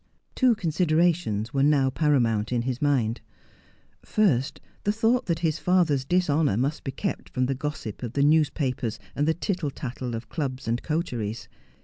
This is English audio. Two considerations were now paramount in his mind ; first, the thought that his father's dishonour must be kept from the gossip of the newspapers and the tittle tattle of clubs and coteries.